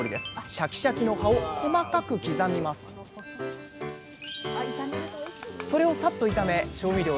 シャキシャキの葉を細かく刻みますそれをさっと炒め調味料で味付け。